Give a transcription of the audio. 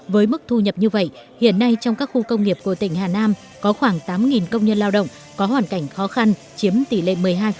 với mức thu nhập như vậy hiện nay trong các khu công nghiệp của tỉnh hà nam có khoảng tám công nhân lao động có hoàn cảnh khó khăn chiếm tỷ lệ một mươi hai